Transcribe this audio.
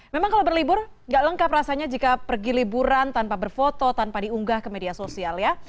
memang kalau berlibur nggak lengkap rasanya jika pergi liburan tanpa berfoto tanpa diunggah ke media sosial ya